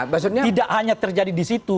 tidak hanya terjadi di situ